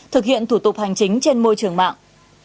thực hiện thủ tục hành chính trên môi trường mạng